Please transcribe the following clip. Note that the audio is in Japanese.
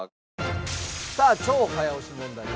さあ超早押し問題です。